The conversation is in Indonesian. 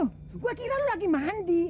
gua kira lu lagi mandi